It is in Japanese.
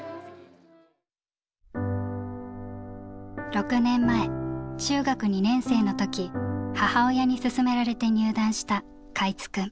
６年前中学２年生の時母親に勧められて入団した海津くん。